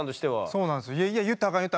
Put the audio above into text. そうなんですよ。